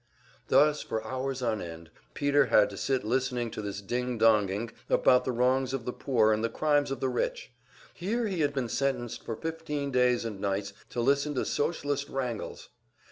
Thus, for hours on end, Peter had to sit listening to this ding donging about the wrongs of the poor and the crimes of the rich. Here he had been sentenced for fifteen days and nights to listen to Socialist wrangles!